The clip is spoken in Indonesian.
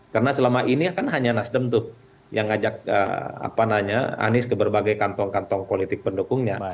karena selama ini kan hanya nasdem yang ngajak anies ke berbagai kantong kantong politik pendukungnya